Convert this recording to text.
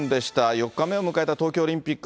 ４日目を迎えた東京オリンピック。